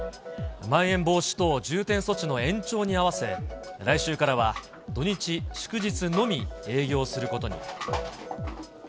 まん延防止等重点措置の延長に合わせ、来週からは土日祝日のみ営業することに。